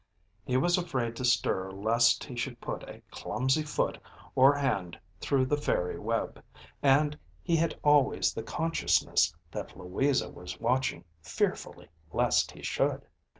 He was afraid to stir lest he should put a clumsy foot or hand through the fairy web, and he had always the consciousness that Louisa was watching fearfully lest he should.